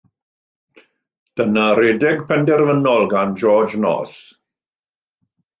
Dyna redeg penderfynol gan George North.